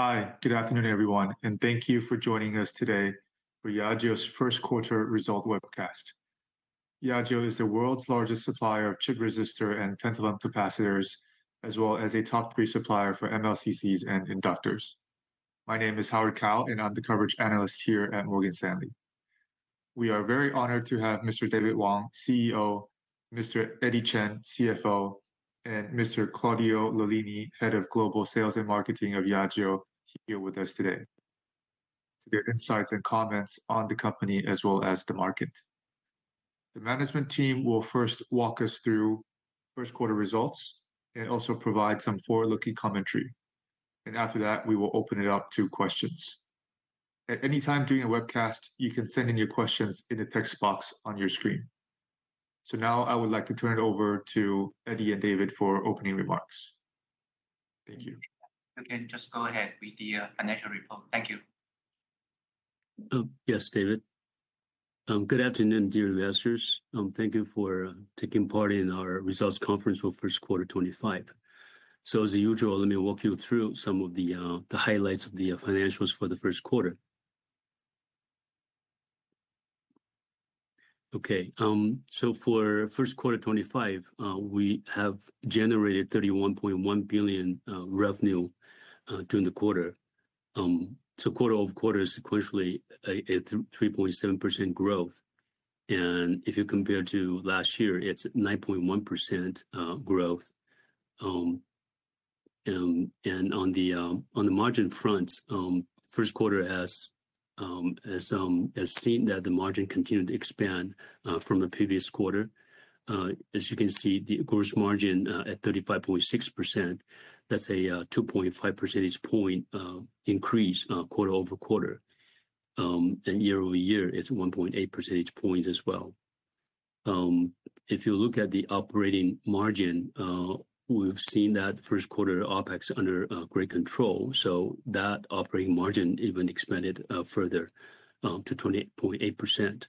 Hi, good afternoon, everyone, and thank you for joining us today for Yageo's first quarter result webcast. Yageo is the world's largest supplier of chip resistor and tantalum capacitors, as well as a top three supplier for MLCCs and inductors. My name is Howard Kao, and I'm the coverage analyst here at Morgan Stanley. We are very honored to have Mr. David Wang, CEO, Mr. Eddie Chen, CFO, and Mr. Claudio Lollini, Head of Global Sales and Marketing of Yageo here with us today to give insights and comments on the company as well as the market. The management team will first walk us through first quarter results and also provide some forward-looking commentary. After that, we will open it up to questions. At any time during the webcast, you can send in your questions in the text box on your screen. Now, I would like to turn it over to Eddie and David for opening remarks. Thank you. You can just go ahead with the financial report. Thank you. Yes, David. Good afternoon, dear investors. Thank you for taking part in our results conference for first quarter 2025. As usual, let me walk you through some of the highlights of the financials for the first quarter. For first quarter 2025, we have generated 31.1 billion revenue during the quarter. Quarter-over-quarter sequentially 3.7% growth. If you compare to last year, it's 9.1% growth. On the margin front, first quarter has seen that the margin continued to expand from the previous quarter. As you can see, the gross margin at 35.6%, that's a 2.5 percentage point increase quarter-over-quarter. Year-over-year, it's 1.8 percentage point as well. If you look at the operating margin, we've seen that first quarter OpEx under great control, so that operating margin even expanded further to 28.8%,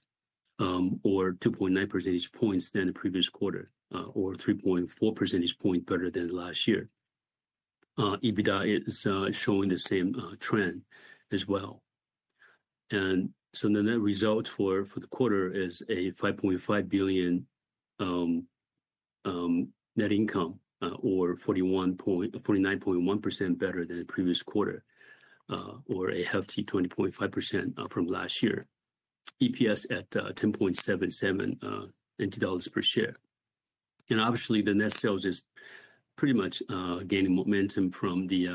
or 2.9 percentage points than the previous quarter, or 3.4 percentage point better than last year. EBITDA is showing the same trend as well. The net results for the quarter is 5.5 billion net income, or 49.1% better than the previous quarter, or a hefty 20.5% from last year. EPS at 10.77 dollars per share. Obviously, the net sales is pretty much gaining momentum from the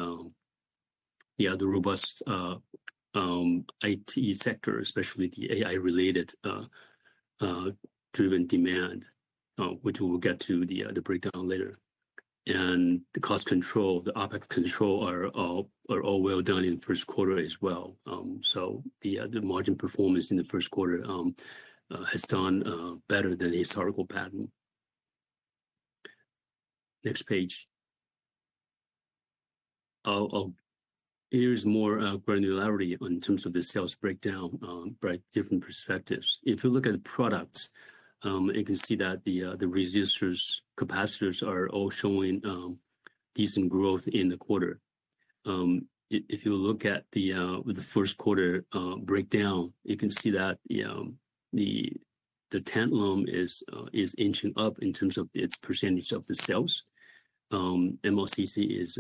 other robust IT sector, especially the AI-related driven demand, which we'll get to the breakdown later. The cost control, the OpEx control are all well done in first quarter as well. The margin performance in the first quarter has done better than the historical pattern. Next page. Here's more granularity in terms of the sales breakdown by different perspectives. If you look at the products, you can see that the resistors, capacitors are all showing decent growth in the quarter. If you look at the first quarter breakdown, you can see that, you know, the Tantalum is inching up in terms of its percentage of the sales. MLCC is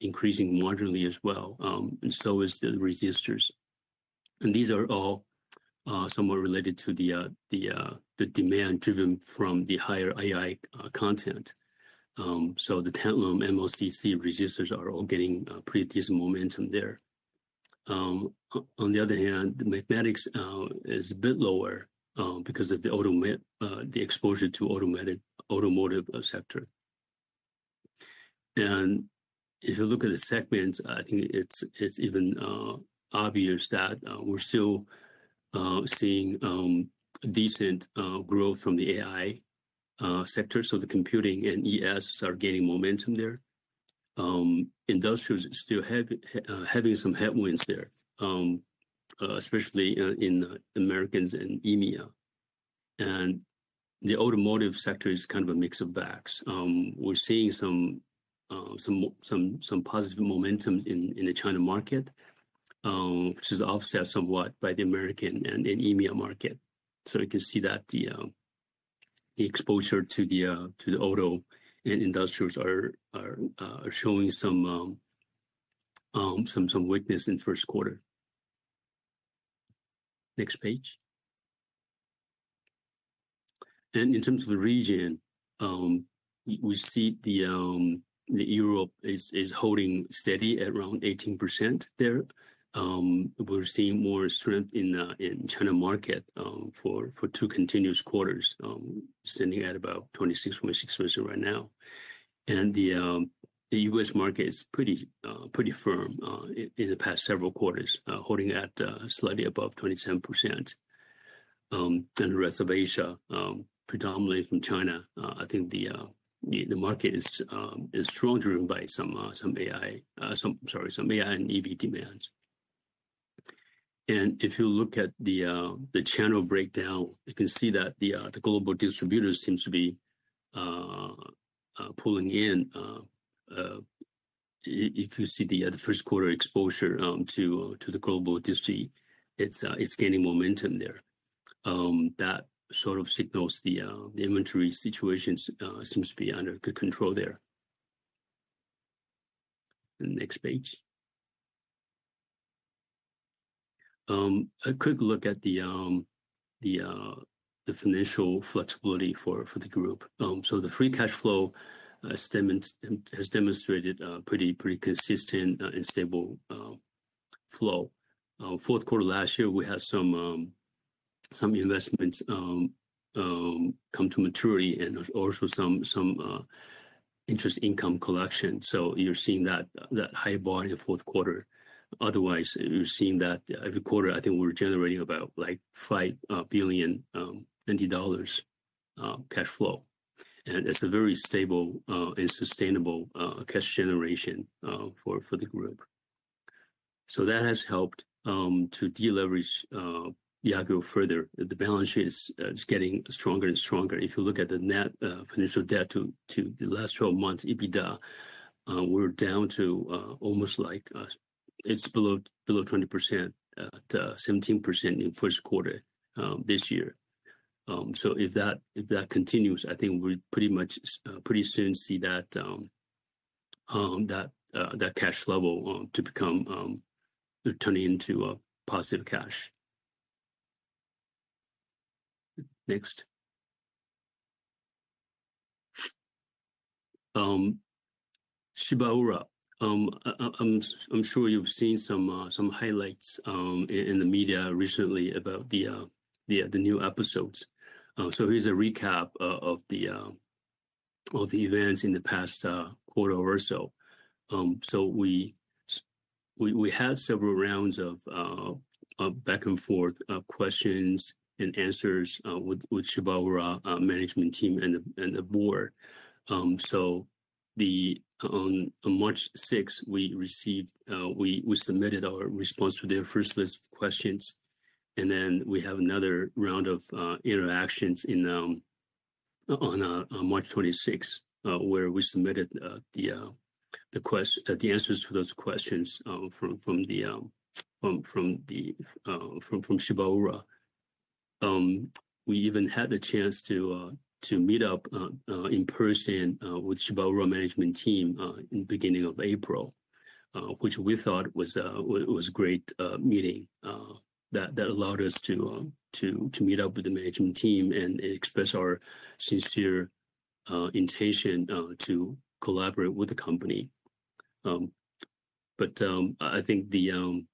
increasing marginally as well, and so is the Resistors. These are all somewhat related to the demand driven from the higher AI content. The Tantalum, MLCC, Resistors are all getting pretty decent momentum there. On the other hand, the Magnetics is a bit lower because of the exposure to the automotive sector. If you look at the segments, I think it's even obvious that we're still seeing decent growth from the AI sector. The computing and EMS are gaining momentum there. Industrials still having some headwinds there, especially in Americas and EMEA. The automotive sector is kind of a mixed bag. We're seeing some positive momentum in the China market, which is offset somewhat by the Americas and EMEA market. You can see that the exposure to the auto and industrials are showing some weakness in first quarter. Next page. In terms of the region, we see Europe is holding steady at around 18% there. We're seeing more strength in China market, for two continuous quarters, sitting at about 26.6% right now. The U.S. market is pretty firm in the past several quarters, holding at slightly above 27%. The rest of Asia, predominantly from China, I think the market is strongly driven by some AI and EV demands. If you look at the channel breakdown, you can see that the global distributors seems to be pulling in. If you see the first quarter exposure to the global distributors, it's gaining momentum there. That sort of signals the inventory situation seems to be under good control there. The next page. A quick look at the financial flexibility for the group. The free cash flow has demonstrated a pretty consistent and stable flow. Fourth quarter last year, we had some investments come to maturity and also some interest income collection. You're seeing that high volume fourth quarter. Otherwise, you're seeing that every quarter, I think we're generating about, like, 5 billion dollars cash flow. It's a very stable and sustainable cash generation for the group. That has helped to deleverage Yageo further. The balance sheet is getting stronger and stronger. If you look at the net financial debt to the last twelve months EBITDA, we're down to almost like it's below 20% to 17% in first quarter this year. If that continues, I think we'll pretty much pretty soon see that cash level to become turning into a positive cash. Next. Shibaura, I'm sure you've seen some highlights in the media recently about the new episodes. Here's a recap of the events in the past quarter or so. We had several rounds of back and forth questions and answers with Shibaura management team and the board. On March six, we submitted our response to their first list of questions, and then we have another round of interactions on March 26, where we submitted the answers to those questions from Shibaura. We even had a chance to meet up in person with Shibaura management team in beginning of April, which we thought was a great meeting that allowed us to meet up with the management team and express our sincere intention to collaborate with the company. I think the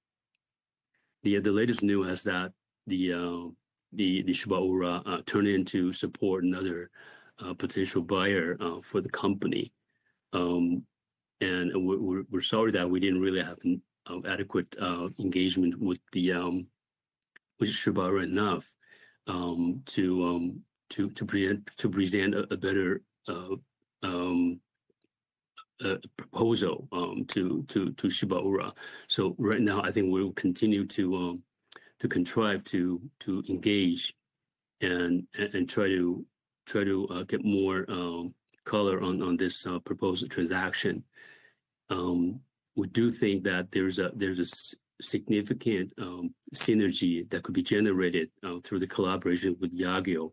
latest news that the Shibaura turned to support another potential buyer for the company. We're sorry that we didn't really have an adequate engagement with Shibaura enough to present a better proposal to Shibaura. Right now, I think we'll continue to strive to engage and try to get more color on this proposed transaction. We do think that there's a significant synergy that could be generated through the collaboration with Yageo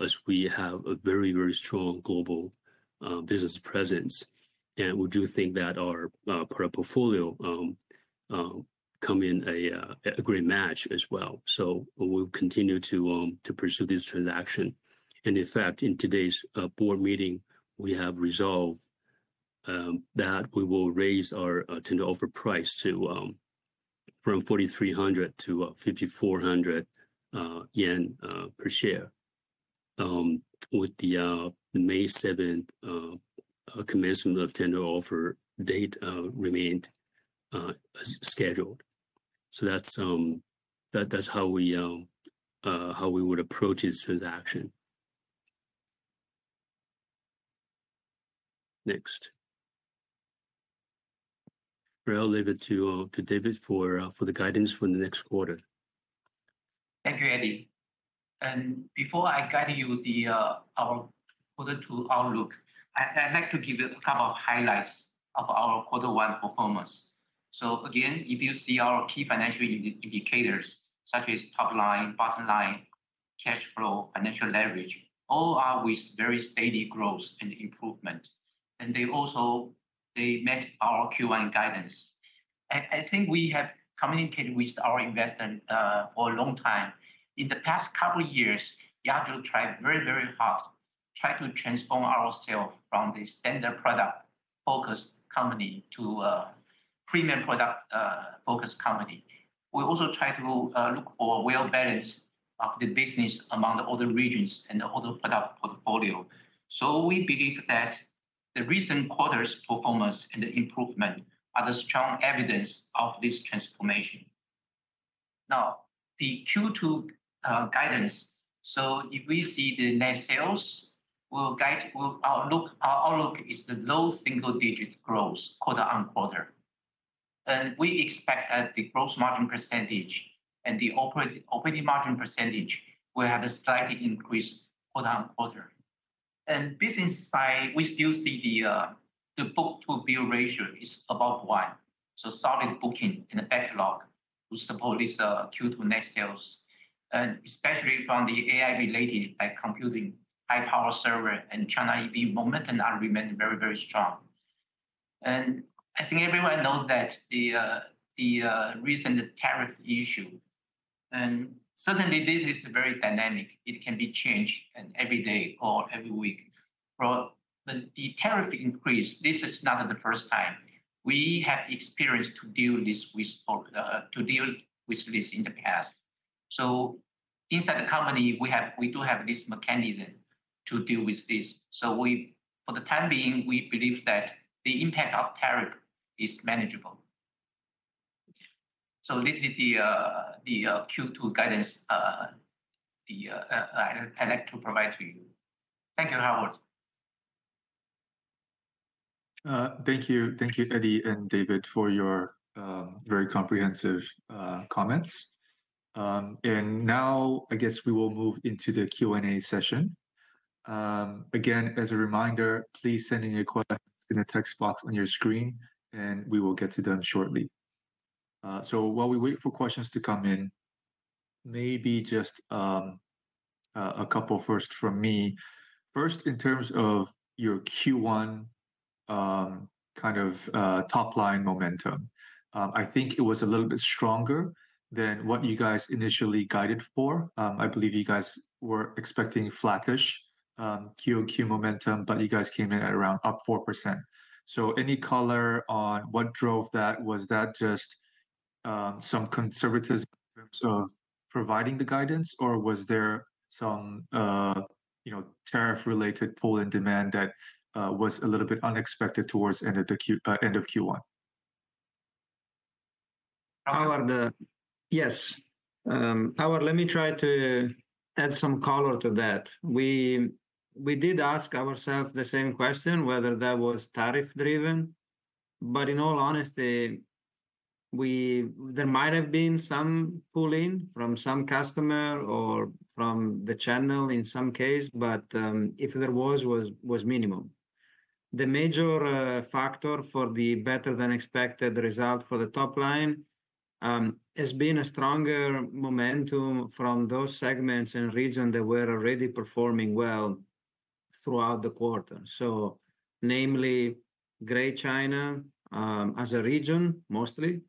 as we have a very, very strong global business presence. We do think that our product portfolio come in a great match as well. We'll continue to pursue this transaction. In fact, in today's board meeting, we have resolved that we will raise our tender offer price from 4,300-5,400 yen per share, with the May seventh commencement of tender offer date remained as scheduled. That's how we would approach this transaction. Next. Well, I'll leave it to David for the guidance for the next quarter. Thank you, Eddie. Before I guide you through our quarter two outlook, I'd like to give you a couple of highlights of our quarter one performance. If you see our key financial indicators such as top line, bottom line, cash flow, financial leverage, all are with very steady growth and improvement. They also met our Q1 guidance. I think we have communicated with our investors for a long time. In the past couple of years, Yageo tried very hard to transform ourselves from the standard product-focused company to a premium product-focused company. We also try to look for well balance of the business among the other regions and the other product portfolio. We believe that the recent quarters performance and the improvement are the strong evidence of this transformation. Now, the Q2 guidance. Our look is low single-digit growth quarter on quarter. We expect that the gross margin percentage and the operating margin percentage will have a slight increase quarter on quarter. On the business side, we still see the book-to-bill ratio is above one, so solid booking in the backlog to support this Q2 net sales. Especially from the AI related big computing high power server and China EV momentum that remain very strong. I think everyone know that the recent tariff issue, and certainly this is very dynamic. It can be changed every day or every week. For the tariff increase, this is not the first time. We have experience to deal with this in the past. Inside the company, we do have this mechanism to deal with this. For the time being, we believe that the impact of tariff is manageable. This is the Q2 guidance I like to provide to you. Thank you, Howard. Thank you. Thank you, Eddie and David, for your very comprehensive comments. Now I guess we will move into the Q&A session. Again, as a reminder, please send in your questions in the text box on your screen, and we will get to them shortly. While we wait for questions to come in, maybe just a couple first from me. First, in terms of your Q1 kind of top-line momentum, I think it was a little bit stronger than what you guys initially guided for. I believe you guys were expecting flattish Q over Q momentum, but you guys came in at around up 4%. Any color on what drove that? Was that just some conservatism in terms of providing the guidance? Was there some, you know, tariff-related pull in demand that was a little bit unexpected towards end of Q1? Howard, yes. Howard, let me try to add some color to that. We did ask ourselves the same question, whether that was tariff driven. In all honesty, there might have been some pull-in from some customer or from the channel in some case, but if there was minimum. The major factor for the better than expected result for the top line has been a stronger momentum from those segments and region that were already performing well throughout the quarter. Namely, Greater China, as a region, mostly.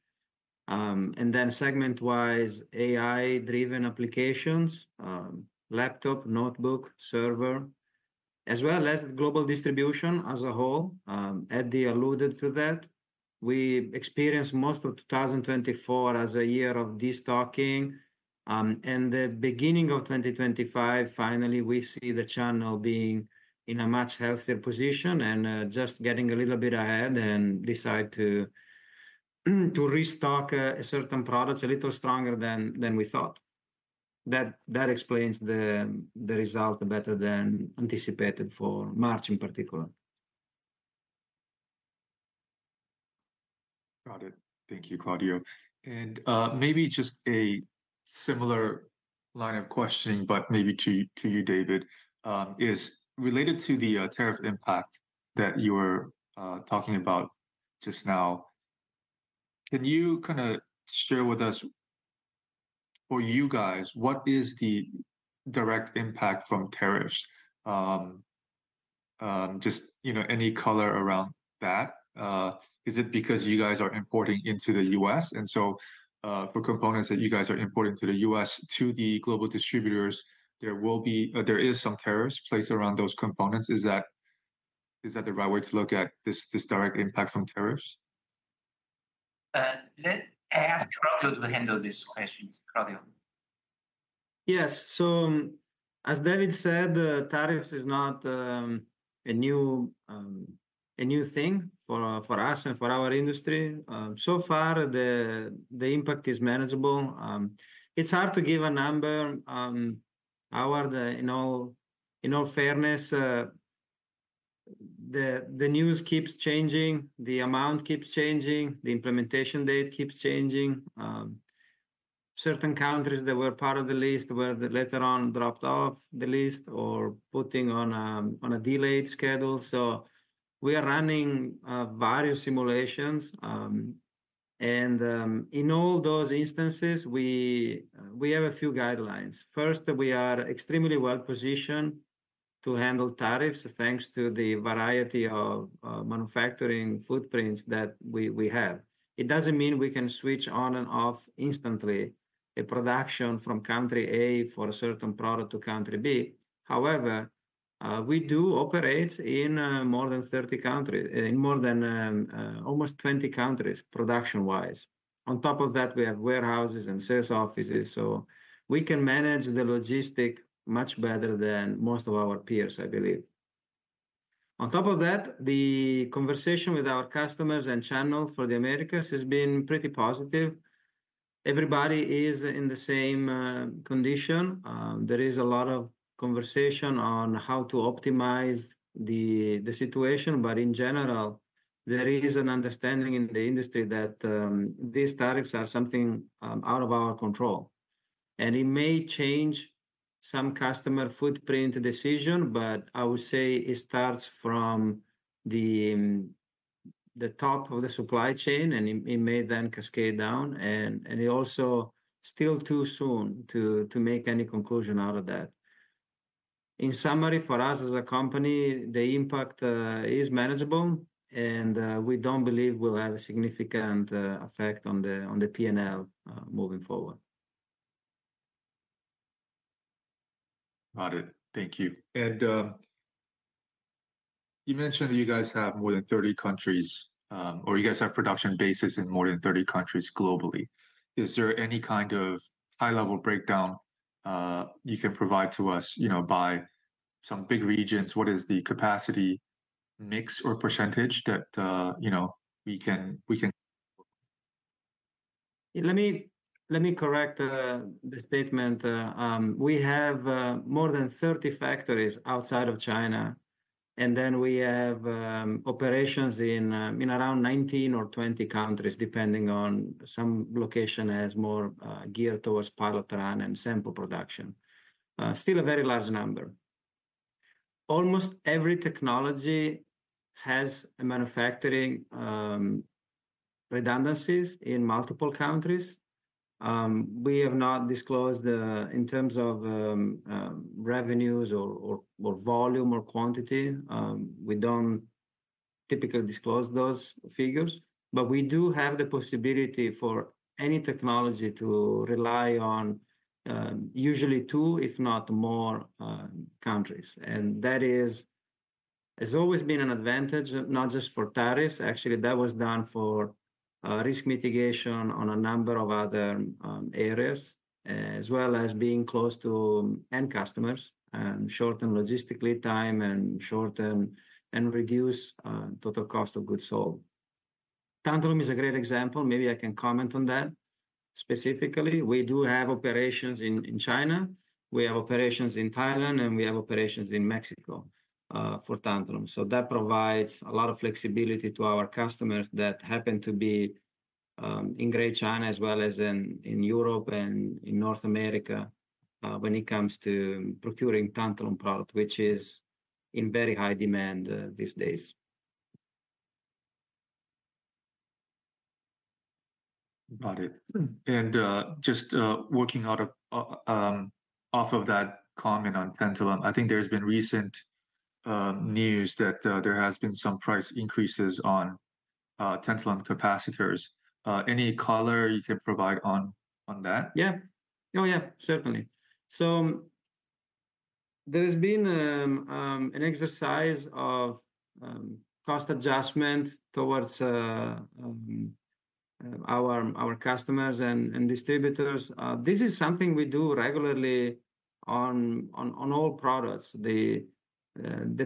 And then segment-wise, AI-driven applications, laptop, notebook, server, as well as global distribution as a whole. Eddie alluded to that. We experienced most of 2024 as a year of destocking. At the beginning of 2025, finally, we see the channel being in a much healthier position and just getting a little bit ahead and decide to restock certain products a little stronger than we thought. That explains the result better than anticipated for March in particular. Got it. Thank you, Claudio. Maybe just a similar line of questioning, but maybe to you, David, is related to the tariff impact that you were talking about just now. Can you kinda share with us, for you guys, what is the direct impact from tariffs? Just, you know, any color around that? Is it because you guys are importing into the U.S., and so, for components that you guys are importing to the U.S. to the global distributors, there is some tariffs placed around those components. Is that the right way to look at this direct impact from tariffs? Let's ask Claudio to handle this question. Claudio. Yes. As David said, the tariffs is not a new thing for us and for our industry. The impact is manageable. It's hard to give a number, Howard, in all fairness, the news keeps changing, the amount keeps changing, the implementation date keeps changing. Certain countries that were part of the list were later on dropped off the list or putting on a delayed schedule. We are running various simulations. In all those instances, we have a few guidelines. First, we are extremely well positioned to handle tariffs, thanks to the variety of manufacturing footprints that we have. It doesn't mean we can switch on and off instantly a production from country A for a certain product to country B. However, we do operate in more than 30 countries—in more than almost 20 countries production-wise. On top of that, we have warehouses and sales offices, so we can manage the logistics much better than most of our peers, I believe. On top of that, the conversation with our customers and channels for the Americas has been pretty positive. Everybody is in the same condition. There is a lot of conversation on how to optimize the situation, but in general, there is an understanding in the industry that these tariffs are something out of our control. It may change some customer footprint decision, but I would say it starts from the top of the supply chain, and it may then cascade down and it also still too soon to make any conclusion out of that. In summary, for us as a company, the impact is manageable and we don't believe will have a significant effect on the P&L moving forward. Got it. Thank you. You mentioned that you guys have production bases in more than 30 countries globally. Is there any kind of high-level breakdown you can provide to us, you know, by some big regions? What is the capacity mix or percentage that we can? Let me correct the statement. We have more than 30 factories outside of China, and then we have operations in around 19 or 20 countries, depending on some location has more geared towards pilot run and sample production. Still a very large number. Almost every technology has a manufacturing redundancies in multiple countries. We have not disclosed in terms of revenues or volume or quantity. We don't typically disclose those figures. We do have the possibility for any technology to rely on usually two, if not more, countries. That has always been an advantage, not just for tariffs. Actually, that was done for risk mitigation on a number of other areas, as well as being close to end customers and shorten logistics lead time and reduce total cost of goods sold. Tantalum is a great example. Maybe I can comment on that specifically. We do have operations in China, we have operations in Thailand, and we have operations in Mexico for Tantalum. So that provides a lot of flexibility to our customers that happen to be in Greater China as well as in Europe and in North America when it comes to procuring Tantalum product, which is in very high demand these days. Got it. Just working off of that comment on tantalum, I think there's been recent news that there has been some price increases on tantalum capacitors. Any color you can provide on that? Yeah. Oh, yeah, certainly. There's been an exercise of cost adjustment towards our customers and distributors. This is something we do regularly on all products. The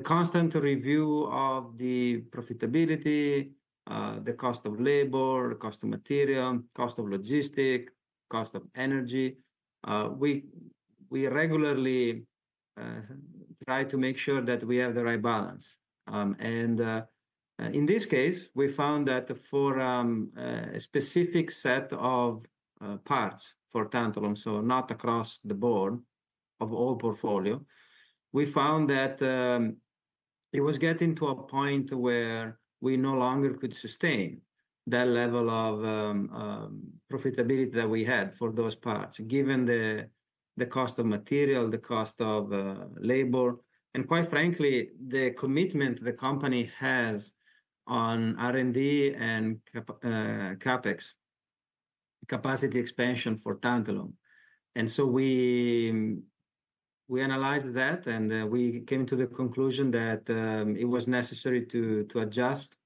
constant review of the profitability, the cost of labor, cost of material, cost of logistics, cost of energy. We regularly try to make sure that we have the right balance. In this case, we found that for a specific set of parts for Tantalum, so not across the board of all portfolio, we found that it was getting to a point where we no longer could sustain that level of profitability that we had for those parts, given the cost of material, the cost of labor, and quite frankly, the commitment the company has on R&D and CapEx, capacity expansion for Tantalum. We analyzed that, and we came to the conclusion that it was necessary to adjust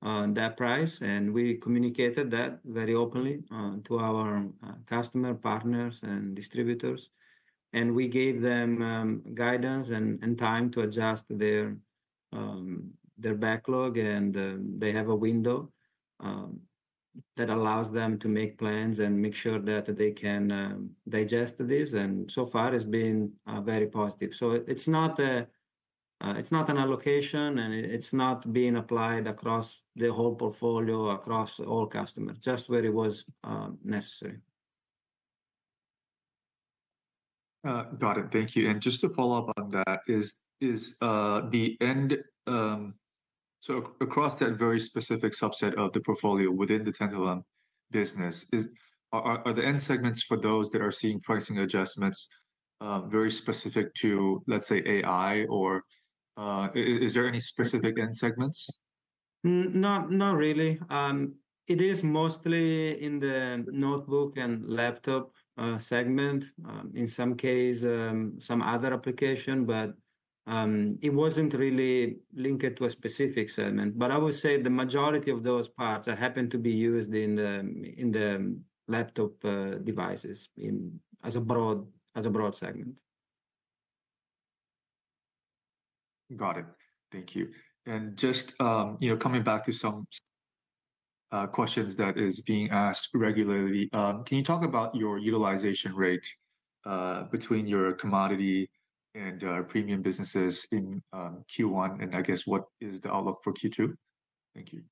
that price. We communicated that very openly to our customer partners and distributors. We gave them guidance and time to adjust their backlog. They have a window that allows them to make plans and make sure that they can digest this. So far it's been very positive. It's not an allocation, and it's not being applied across the whole portfolio, across all customers, just where it was necessary. Got it. Thank you. Just to follow up on that, across that very specific subset of the portfolio within the Tantalum business, are the end segments for those that are seeing pricing adjustments very specific to, let's say, AI, or is there any specific end segments? Not really. It is mostly in the notebook and laptop segment. In some cases, some other applications, but it wasn't really linked to a specific segment. I would say the majority of those parts happen to be used in the laptop devices as a broad segment. Got it. Thank you. Just, you know, coming back to some questions that is being asked regularly, can you talk about your utilization rate, between your commodity and premium businesses in Q1, and I guess what is the outlook for Q2? Thank you.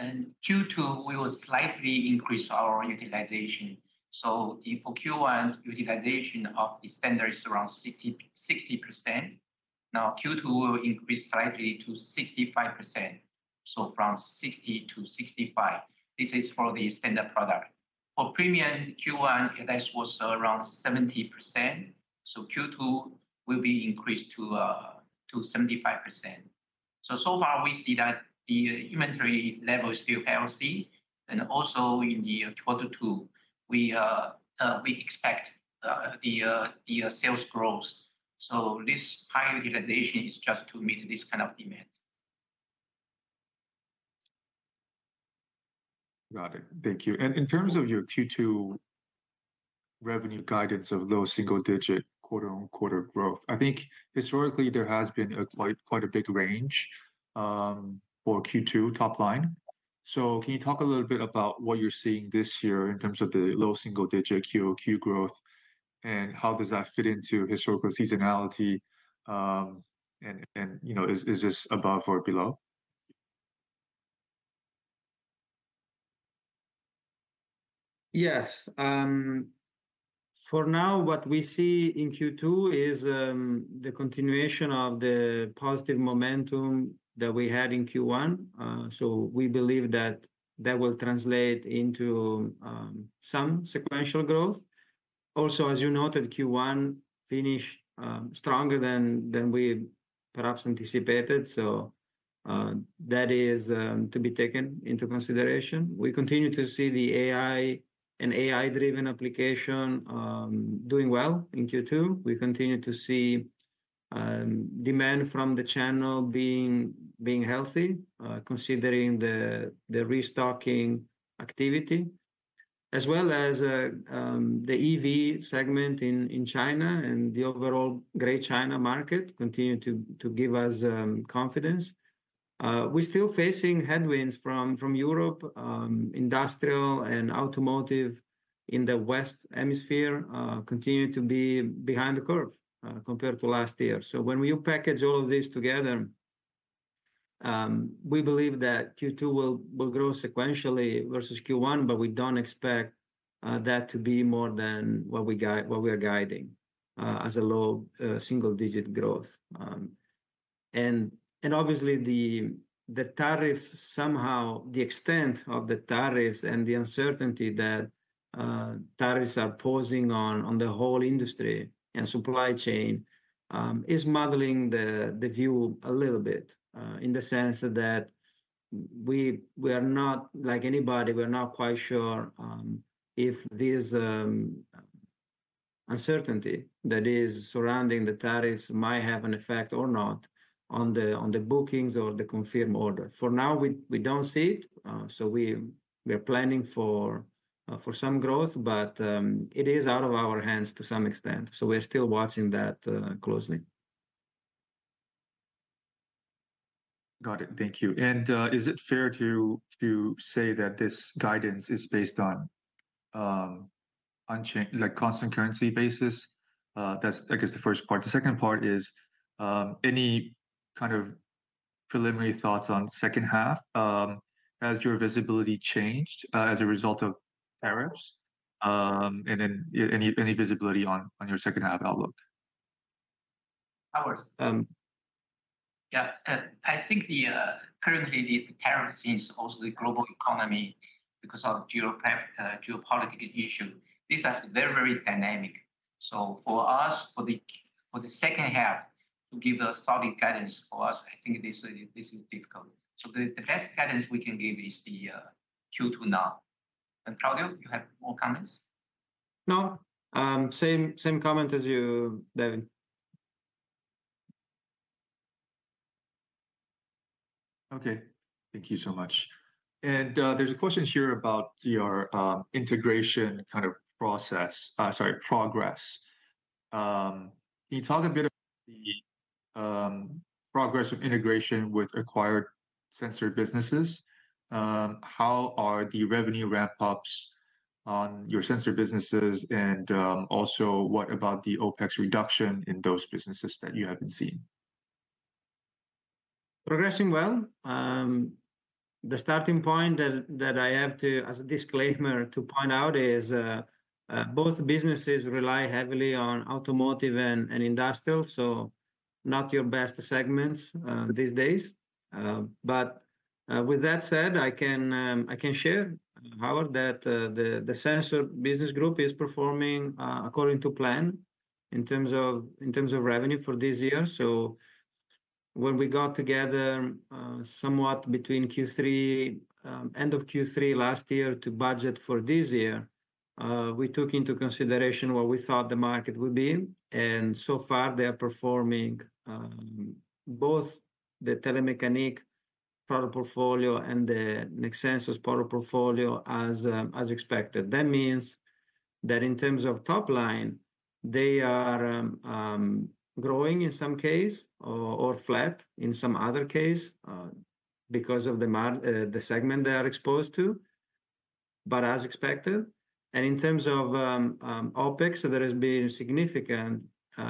In Q2, we will slightly increase our utilization. If for Q1 utilization of the standard is around 60%. Q2 will increase slightly to 65%, so from 60% to 65%. This is for the standard product. For premium Q1, this was around 70%, so Q2 will be increased to 75%. So far we see that the inventory level is still healthy, and also in quarter two, we expect the sales growth. This high utilization is just to meet this kind of demand. Got it. Thank you. In terms of your Q2 revenue guidance of low single-digit quarter-on-quarter growth, I think historically there has been quite a big range for Q2 top line. Can you talk a little bit about what you're seeing this year in terms of the low single-digit QOQ growth, and how does that fit into historical seasonality? You know, is this above or below? Yes. For now, what we see in Q2 is the continuation of the positive momentum that we had in Q1. We believe that that will translate into some sequential growth. Also, as you noted, Q1 finished stronger than we perhaps anticipated. That is to be taken into consideration. We continue to see the AI and AI-driven application doing well in Q2. We continue to see demand from the channel being healthy, considering the restocking activity, as well as the EV segment in China and the overall Greater China market continue to give us confidence. We're still facing headwinds from Europe. Industrial and automotive in the Western Hemisphere continue to be behind the curve compared to last year. When you package all of this together, we believe that Q2 will grow sequentially versus Q1, but we don't expect that to be more than what we are guiding as a low single digit growth. Obviously the tariffs somehow the extent of the tariffs and the uncertainty that tariffs are posing on the whole industry and supply chain is muddling the view a little bit in the sense that we are not like anybody. We are not quite sure if this uncertainty that is surrounding the tariffs might have an effect or not on the bookings or the confirmed order. For now, we don't see it, so we are planning for some growth, but it is out of our hands to some extent. We're still watching that closely. Got it. Thank you. Is it fair to say that this guidance is based on like constant currency basis? That's I guess the first part. The second part is any kind of preliminary thoughts on second half, has your visibility changed as a result of tariffs? Then any visibility on your second half outlook? Howard? Yeah. I think currently the tariffs is also the global economy because of geopolitical issue. This has very dynamic. For us, for the second half to give a solid guidance for us, I think this is difficult. The best guidance we can give is Q2 now. Claudio, you have more comments? No. Same comment as you, David. Okay. Thank you so much. There's a question here about your integration progress. Can you talk a bit about the progress of integration with acquired sensor businesses? How are the revenue ramp-ups on your sensor businesses? Also, what about the OpEx reduction in those businesses that you haven't seen? Progressing well. The starting point that I have to, as a disclaimer, to point out is both businesses rely heavily on automotive and industrial, so not your best segments these days. With that said, I can share, Howard, that the sensor business group is performing according to plan in terms of revenue for this year. When we got together, somewhat between Q3 end of Q3 last year to budget for this year, we took into consideration where we thought the market would be. So far they are performing both the Telemecanique portfolio and the Nexperia's product portfolio as expected. That means that in terms of top line, they are growing in some case or flat in some other case, because of the segment they are exposed to, but as expected. In terms of OpEx, there has been significant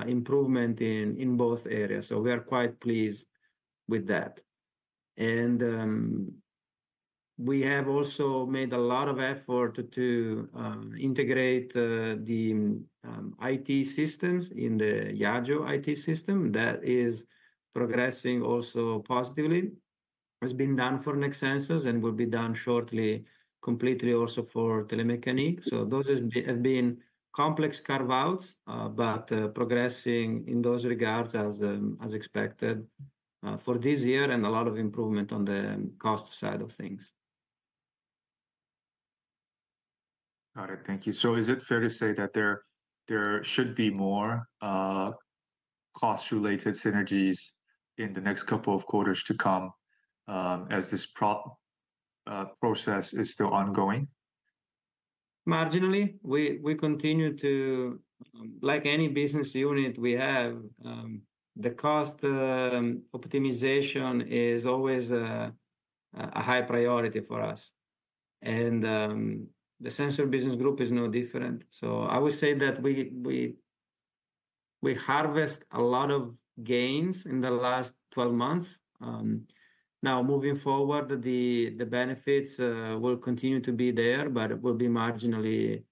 improvement in both areas, so we are quite pleased with that. We have also made a lot of effort to integrate the IT systems in the Yageo IT system that is progressing also positively. It's been done for Nexperia and will be done shortly completely also for Telemecanique. Those have been complex carve-outs, but progressing in those regards as expected for this year, and a lot of improvement on the cost side of things. Got it. Thank you. Is it fair to say that there should be more cost-related synergies in the next couple of quarters to come, as this process is still ongoing? Marginally. We continue to, like any business unit we have, the cost optimization is always a high priority for us. The Sensor Business Group is no different. I would say that we harvest a lot of gains in the last 12 months. Now moving forward, the benefits will continue to be there, but it will be marginally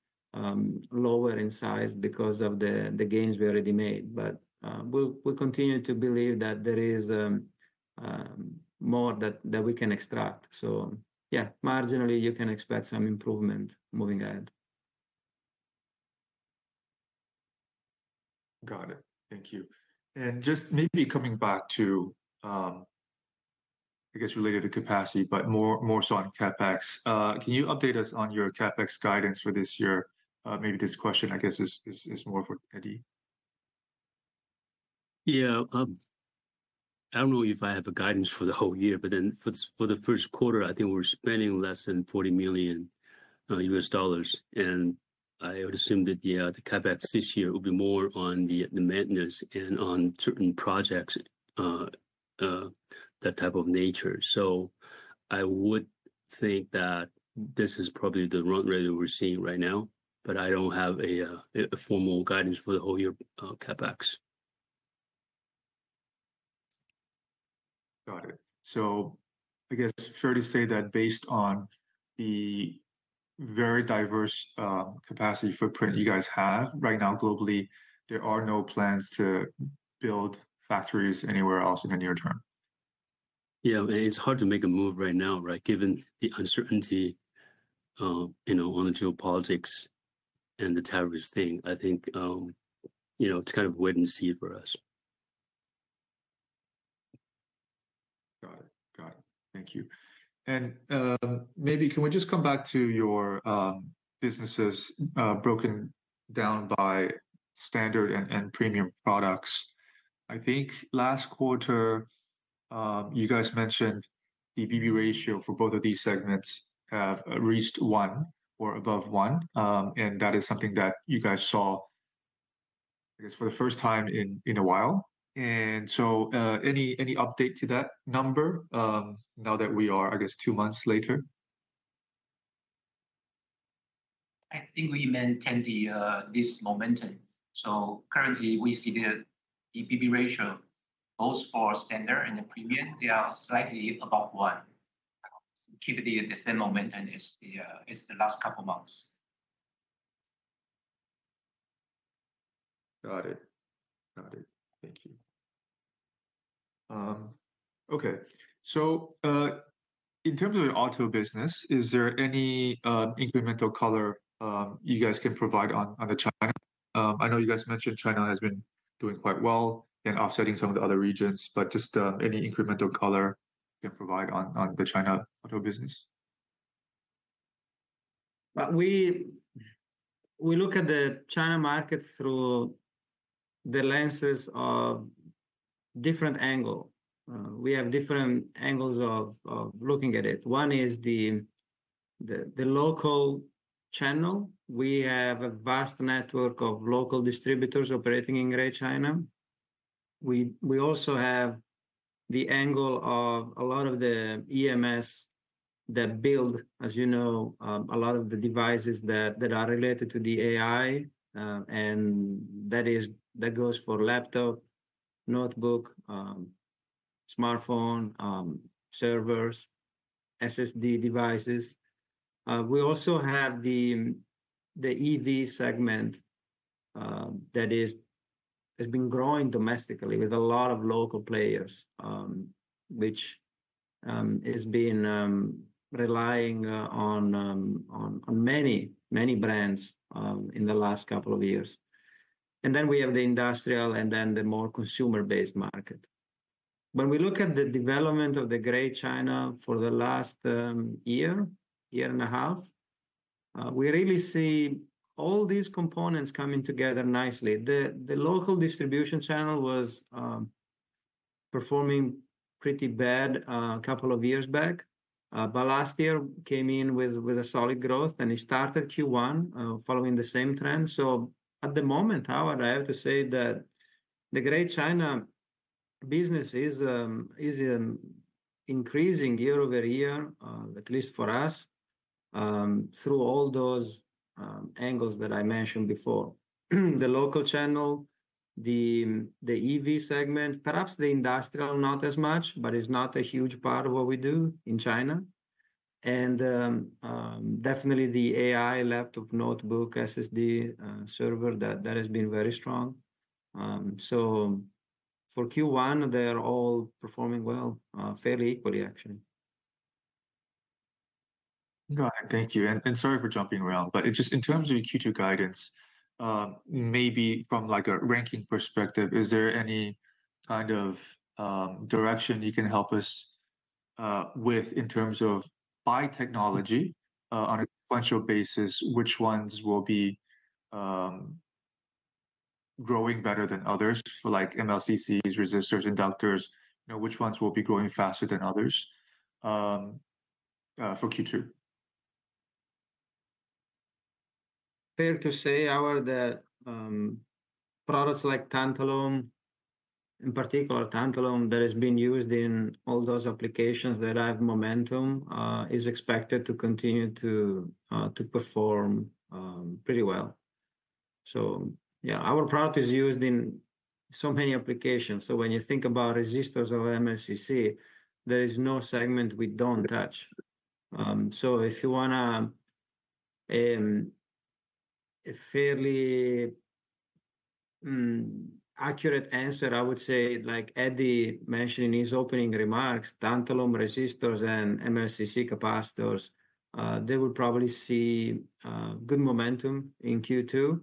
lower in size because of the gains we already made. We'll continue to believe that there is more that we can extract. Yeah, marginally you can expect some improvement moving ahead. Got it. Thank you. Just maybe coming back to, I guess related to capacity, but more so on CapEx. Can you update us on your CapEx guidance for this year? Maybe this question I guess is more for Eddie. Yeah. I don't know if I have a guidance for the whole year, but then for the first quarter, I think we're spending less than $40 million. I would assume that, yeah, the CapEx this year will be more on the maintenance and on certain projects, that type of nature. I would think that this is probably the run rate that we're seeing right now, but I don't have a formal guidance for the whole year, CapEx. Got it. I guess it's fair to say that based on the very diverse capacity footprint you guys have right now globally, there are no plans to build factories anywhere else in the near term. Yeah. I mean, it's hard to make a move right now, right? Given the uncertainty, you know, on the geopolitics and the tariffs thing. I think, you know, it's kind of wait and see for us. Got it. Thank you. Maybe can we just come back to your businesses broken down by standard and premium products. I think last quarter you guys mentioned the EBITDA ratio for both of these segments have reached one or above one and that is something that you guys saw I guess for the first time in a while. Any update to that number now that we are I guess two months later? I think we maintain this momentum. Currently, we see the book-to-bill ratio, both for standard and the premium, they are slightly above one. Keep it the same momentum as the last couple months. Got it. Thank you. Okay. In terms of the auto business, is there any incremental color you guys can provide on the China? I know you guys mentioned China has been doing quite well in offsetting some of the other regions, but just any incremental color you can provide on the China auto business? We look at the China market through the lenses of different angle. We have different angles of looking at it. One is the local channel. We have a vast network of local distributors operating in Greater China. We also have the angle of a lot of the EMS that build, as you know, a lot of the devices that are related to the AI, and that goes for laptop, notebook, smartphone, servers, SSD devices. We also have the EV segment that has been growing domestically with a lot of local players, which has been relying on many brands in the last couple of years. We have the industrial and the more consumer-based market. When we look at the development of the Greater China for the last year and a half, we really see all these components coming together nicely. The local distribution channel was performing pretty bad couple of years back. But last year came in with a solid growth, and it started Q1 following the same trend. At the moment, Howard, I have to say that the Greater China business is increasing year-over-year, at least for us, through all those angles that I mentioned before. The local channel, the EV segment, perhaps the industrial not as much, but it's not a huge part of what we do in China. Definitely the AI laptop, notebook, SSD, server, that has been very strong. For Q1, they're all performing well, fairly equally actually. Got it. Thank you. Sorry for jumping around, but it just in terms of your Q2 guidance, maybe from like a ranking perspective, is there any kind of direction you can help us with in terms of by technology, on a sequential basis, which ones will be growing better than others for like MLCCs, resistors, inductors? You know, which ones will be growing faster than others for Q2? Fair to say, Howard, that products like Tantalum, in particular Tantalum that is being used in all those applications that have momentum, is expected to continue to perform pretty well. Yeah, our product is used in so many applications. When you think about resistors or MLCC, there is no segment we don't touch. If you wanna a fairly accurate answer, I would say like Eddie mentioned in his opening remarks, Tantalum resistors and MLCC capacitors, they will probably see good momentum in Q2.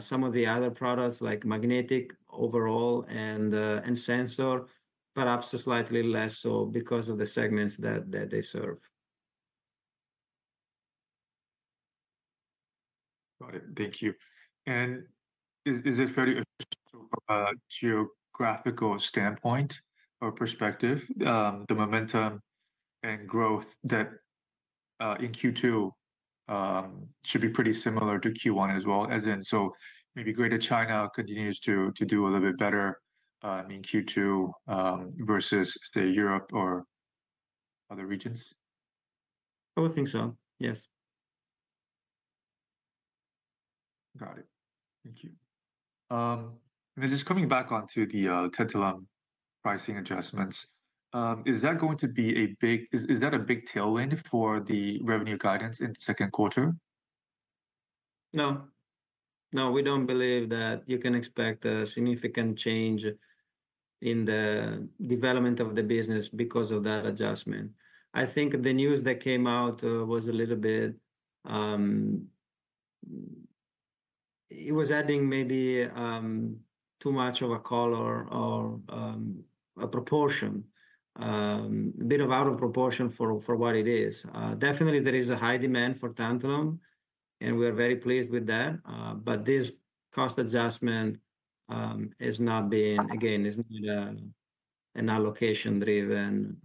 Some of the other products like Magnetics overall and sensor, perhaps slightly less so because of the segments that they serve. Got it. Thank you. Is it fair to assume from a geographical standpoint or perspective, the momentum and growth that in Q2 should be pretty similar to Q1 as well? As in so maybe Greater China continues to do a little bit better in Q2 versus say Europe or other regions? I would think so, yes. Got it. Thank you. Just coming back onto the Tantalum pricing adjustments, is that going to be a big tailwind for the revenue guidance in the second quarter? No, we don't believe that you can expect a significant change in the development of the business because of that adjustment. I think the news that came out was a little bit adding maybe too much of a color or a proportion, a bit out of proportion for what it is. Definitely there is a high demand for Tantalum, and we are very pleased with that. But this cost adjustment is not, again, an allocation-driven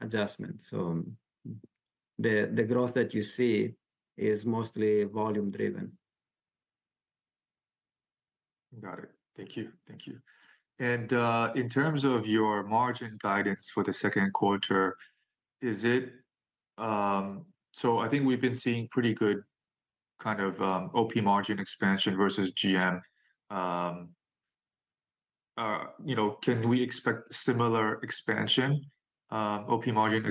adjustment. The growth that you see is mostly volume driven. Got it. Thank you. In terms of your margin guidance for the second quarter, I think we've been seeing pretty good kind of OP margin expansion versus GM. You know, can we expect similar expansion, OP margin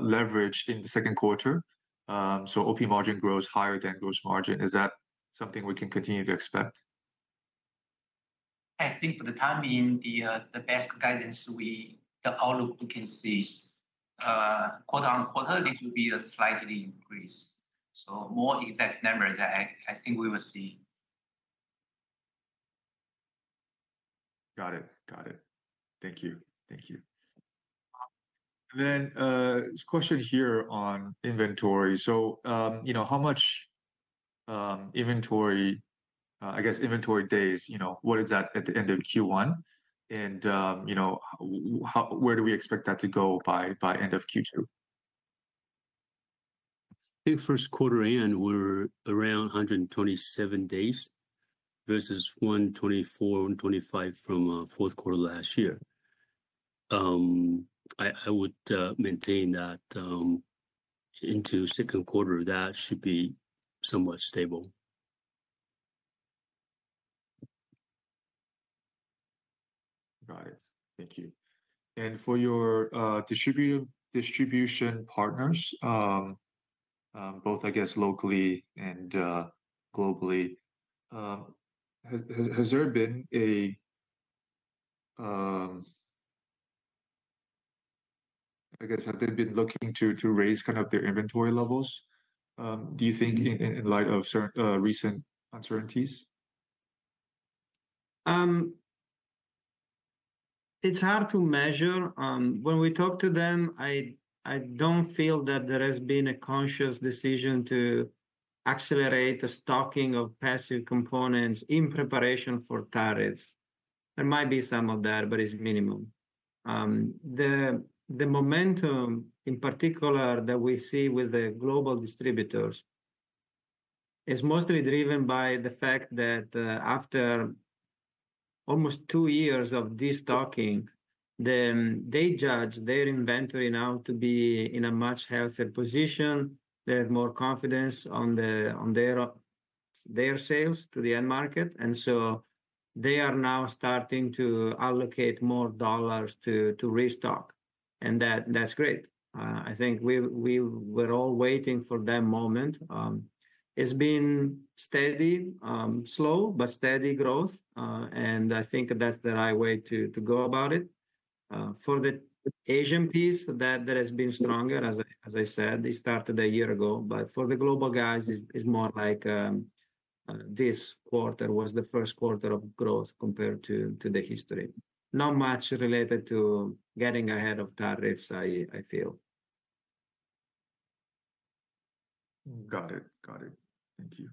leverage in the second quarter? OP margin grows higher than gross margin. Is that something we can continue to expect? I think for the time being, the outlook we can see is quarter-on-quarter, this will be a slight increase. More exact numbers, I think we will see. Got it. Thank you. This question here on inventory. You know, how much inventory, I guess inventory days, you know, what is that at the end of Q1? You know, where do we expect that to go by end of Q2? In first quarter end, we're around 127 days versus 124, 125 from fourth quarter last year. I would maintain that into second quarter, that should be somewhat stable. Got it. Thank you. For your distribution partners, both I guess locally and globally, I guess, have they been looking to raise kind of their inventory levels, do you think in light of recent uncertainties? It's hard to measure. When we talk to them, I don't feel that there has been a conscious decision to accelerate the stocking of passive components in preparation for tariffs. There might be some of that, but it's minimum. The momentum in particular that we see with the global distributors is mostly driven by the fact that, after almost two years of destocking, then they judge their inventory now to be in a much healthier position. They have more confidence on their sales to the end market, and so they are now starting to allocate more dollars to restock. That's great. I think we're all waiting for that moment. It's been steady, slow but steady growth, and I think that's the right way to go about it. For the Asian piece, that has been stronger, as I said, it started a year ago. For the global guys, it's more like, this quarter was the first quarter of growth compared to the history. Not much related to getting ahead of tariffs, I feel. Got it. Thank you.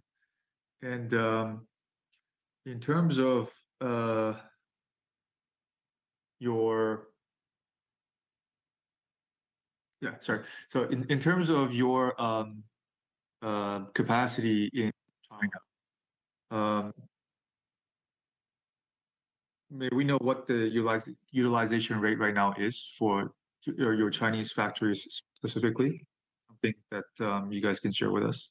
In terms of your capacity in China, may we know what the utilization rate right now is for your Chinese factories specifically? Something that you guys can share with us.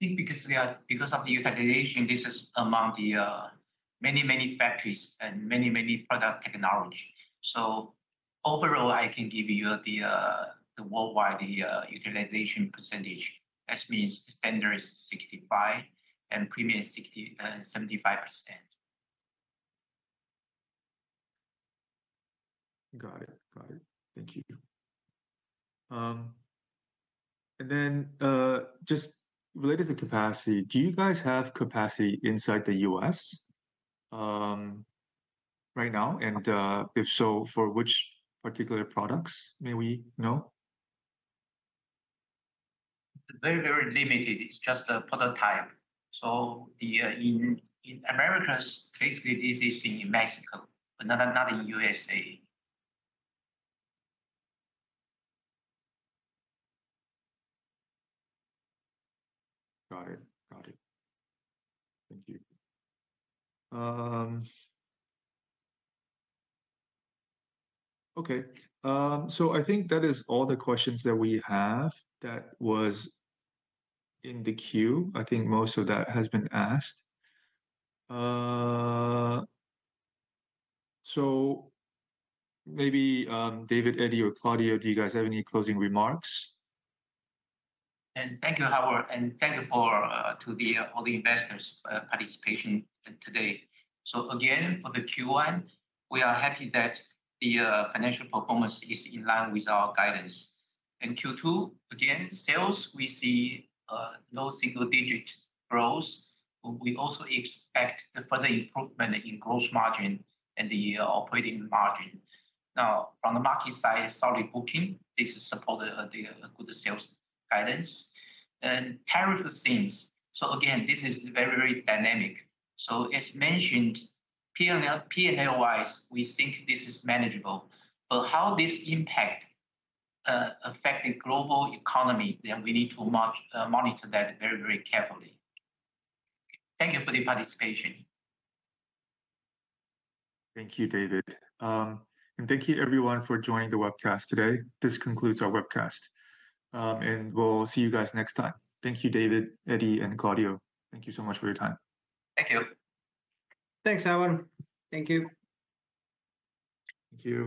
Because of the utilization, this is among the many factories and many product technology. Overall, I can give you the worldwide utilization percentage. That means standard is 65% and premium 60%-75%. Got it. Thank you. Just related to capacity, do you guys have capacity inside the U.S., right now? If so, for which particular products may we know? Very, very limited. It's just a prototype. In Americas, basically this is in Mexico, but not in USA. Got it. Thank you. Okay. I think that is all the questions that we have that was in the queue. I think most of that has been asked. Maybe, David, Eddie, or Claudio, do you guys have any closing remarks? Thank you, Howard, and thank you for all the investors' participation today. Again, for the Q1, we are happy that the financial performance is in line with our guidance. In Q2, again, sales we see low single-digit growth. We also expect further improvement in gross margin and the operating margin. Now, from the market side, solid booking, this supports the good sales guidance and tariff concerns. Again, this is very, very dynamic. As mentioned, P&L-wise, we think this is manageable. But how this impact affects the global economy, then we need to monitor that very, very carefully. Thank you for the participation. Thank you, David. Thank you everyone for joining the webcast today. This concludes our webcast. We'll see you guys next time. Thank you David, Eddie, and Claudio. Thank you so much for your time. Thank you. Thanks, Howard. Thank you. Thank you.